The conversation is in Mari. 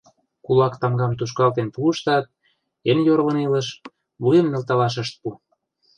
Кулак тамгам тушкалтен пуыштат, эн йорлын илыш, вуйым нӧлталаш ышт пу.